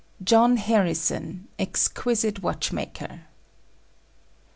JOHN HARRISON, EXQUISITE WATCH MAKER.